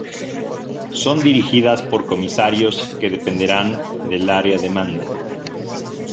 Son dirigidas por Comisarios que dependerán del Área de Mando.